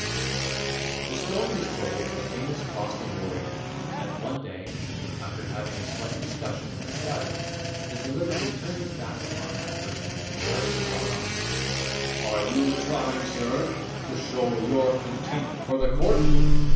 _The story is told of a famous Boston lawyer, that one day, after having a slight discussion with the Judge, he deliberately turned his back upon that personage and started to walk off. "Are you trying, sir, to show your contempt for the Court?"